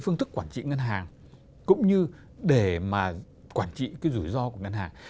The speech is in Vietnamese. phương thức quản trị ngân hàng cũng như để quản trị rủi ro của ngân hàng